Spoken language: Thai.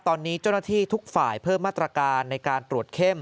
ตอนนี้เจ้าหน้าที่ทุกฝ่ายเพิ่มมาตรการในการตรวจเข้ม